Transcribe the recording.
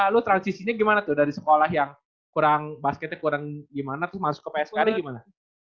lu transisinya gimana tuh dari sekolah yang kurang basketnya kurang gimana tuh masuk ke pskd gimana